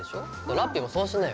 ラッピィもそうしなよ！